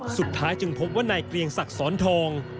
สุดท้ายจึงพบว่านายเกลียงศักดิ์สอนทอง